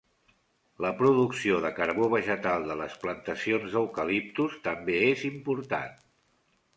La producció de carbó vegetal de les plantacions d'eucaliptus també és important.